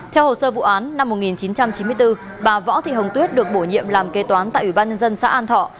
theo hồ sơ vụ án năm một nghìn chín trăm chín mươi bốn bà võ thị hồng tuyết được bổ nhiệm làm kế toán tại ủy ban nhân dân xã an thọ